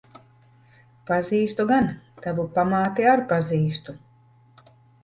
Pazīstu gan. Tavu pamāti ar pazīstu.